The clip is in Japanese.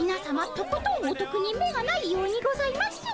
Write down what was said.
とことんおとくに目がないようにございます。